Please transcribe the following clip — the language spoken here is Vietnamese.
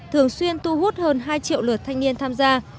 thường xuyên tu hút hơn hai triệu lượt thanh niên tham gia